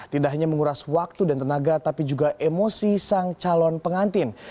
tidak hanya menguras waktu dan tenaga tapi juga emosi sang calon pengantin